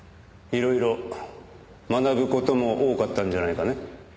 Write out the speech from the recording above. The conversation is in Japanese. いろいろ学ぶ事も多かったんじゃないかね？